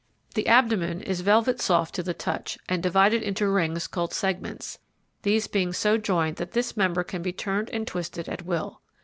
The abdomen is velvet soft to the touch, and divided into rings called segments, these being so joined that this member can be turned and twisted at will.